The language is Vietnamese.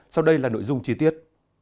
sau đây là nội dung chi tiết